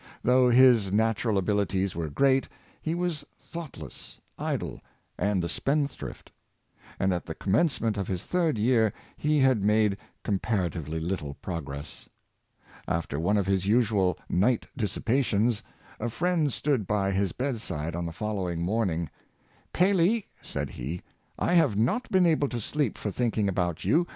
Though his natural abilities were great, he was thoughtless, idle, and a spendthrift; and at the com mencement of his third year he had made compara tively Httle progress. After one of his usual night dis sipations, a friend stood by his bedside on the following morning. ^' Paley," said he, " I have not been able to sleep for thinking about you.